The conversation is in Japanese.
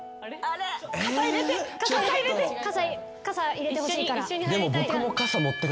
傘入れてほしいから。